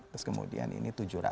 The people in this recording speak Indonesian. terus kemudian ini tujuh ratus